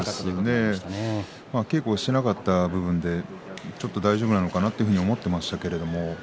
稽古をしていなかった部分で大丈夫かなと思っていました。